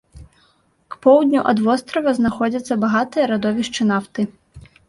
К поўдню ад вострава знаходзяцца багатыя радовішчы нафты.